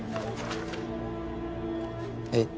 えっ？